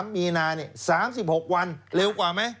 มีนา๓๖วันเร็วกว่าไหม